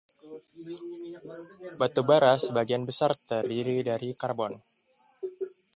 Batu bara sebagian besar terdiri dari karbon.